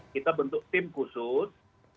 kita bentuk tim khusus